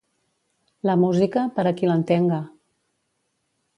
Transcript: La música, per a qui l'entenga.